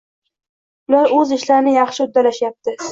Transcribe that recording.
Ular oʻz ishlarini yaxshi uddalashyapti.